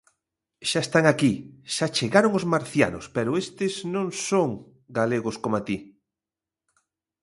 Xa están aquí, xa chegaron os marcianos pero estes non son galegos coma ti.